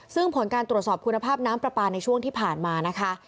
ซึ่งผลการตรวจสอบคุณภาพน้ำปลาปลาในช่วงที่ผ่านมานะคะ